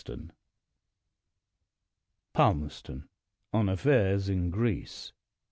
196 PALMCRSTON ON AFFAIRS IN GREECE^